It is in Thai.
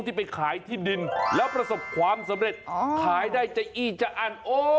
ทำการล้วงไข่สิครับรอไหล